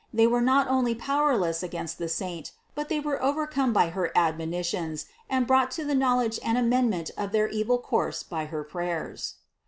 They were not only powerless against the saint, but they were overcome by her ad monitions and brought to the knowledge and amendment of their evil course by her prayers.